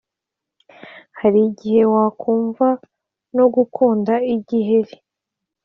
Hari igihe wakumva ko gukanda igiheri